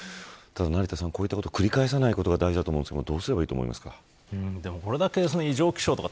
成田さん、こういったことを繰り返さないことが大事だと思いますがどうすればいいと思いますか。